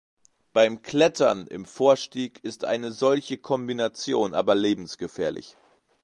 Beim Klettern im Vorstieg ist eine solche Kombination aber lebensgefährlich.